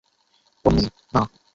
পোন্নি, না।